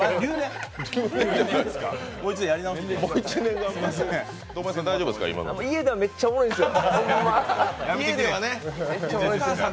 もう一度やり直して家ではめっちゃ、おもろいんですよ。